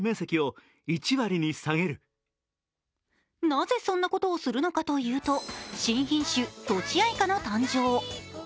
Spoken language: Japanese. なぜ、そんなことをするのかというと、新品種、とちあいかの誕生。